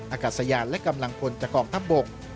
อากาศระยะและกำลังคนจักรองทัพบก